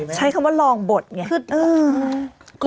ใช้คำว่าลองบทไง